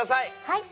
はい。